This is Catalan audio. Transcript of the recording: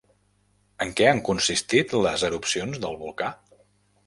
En què han consistit les erupcions del volcà?